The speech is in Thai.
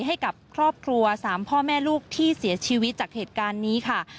ให้กับครอบครัว๓พ่อแม่ลูกที่เสียชีวิตจากเหตุการณ์นี้ค่ะ